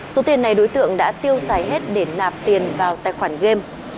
số tiền này đối tượng đã tiêu xài hết để nạp tiền vào tài khoản game